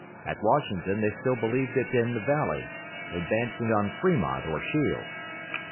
At Washington they still believed it in the valley, advancing on Fremont or Shields.